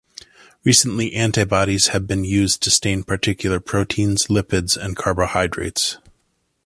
Recently, antibodies have been used to stain particular proteins, lipids and carbohydrates.